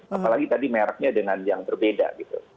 apalagi tadi mereknya dengan yang berbeda gitu